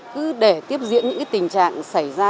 cứ để tiếp diễn những tình trạng xảy ra